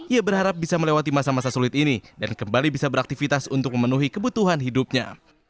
ia berharap bisa melewati masa masa sulit ini dan kembali bisa beraktivitas untuk memenuhi kebutuhan hidupnya